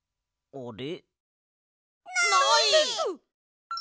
あれ？